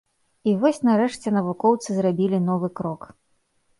І вось, нарэшце навукоўцы зрабілі новы крок.